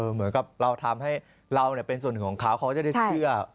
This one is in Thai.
เหมือนกับเราทำให้เราเป็นส่วนหนึ่งของเขาเขาก็จะได้เชื่อ